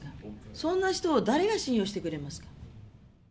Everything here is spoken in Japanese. そんな人を誰が信用してくれますか。